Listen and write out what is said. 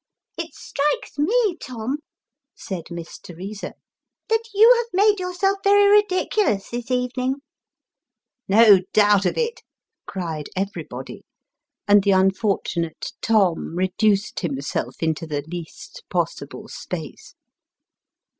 "It strikes me, Tom," said Miss Teresa, "that you have made yourself very ridiculous this evening." "No doubt of it," cried everybody and the unfortunate Tom reduced himself into the least possible space.